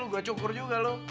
gue cukur juga lu